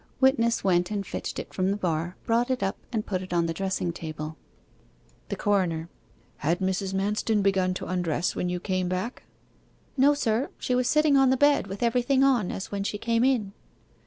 Witness went and fetched it from the bar, brought it up, and put it on the dressing table. THE CORONER: 'Had Mrs. Manston begun to undress, when you came back?' 'No, sir; she was sitting on the bed, with everything on, as when she came in.